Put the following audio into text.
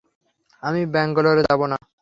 আমি ব্যাঙ্গালোর যাবো না।